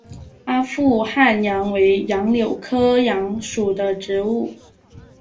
阿富汗杨为杨柳科杨属的植物。